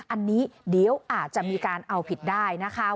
อันนี้เดี๋ยวอาจจะมีการเอาผิดได้นะคะ